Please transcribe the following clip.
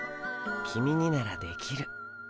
君にならできる。